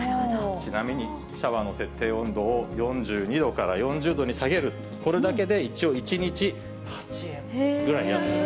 ちなみにシャワーの設定温度を４２度から４０度に下げる、これだけで一応、１日８円ぐらい安くなる。